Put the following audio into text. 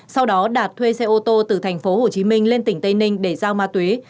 sau đó đạt thuê xe ô tô từ tp hcm lên tỉnh tây ninh để giao ma túy